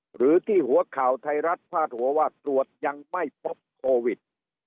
หรือที่หัวข่าวไทยรัฐพาดหัวว่าตรวจยังไม่พบโควิด